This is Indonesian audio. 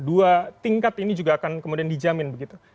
dua tingkat ini juga akan kemudian dijamin begitu